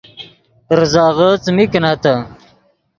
ریزغے څیمین کینتّے